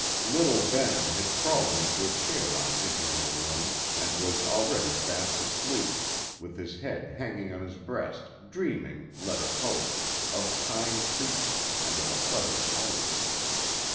Little Ben had crawled into a chair on entering the room, and was already fast asleep, with his head hanging on his breast, dreaming, let us hope, of kind treatment, and of a pleasant home.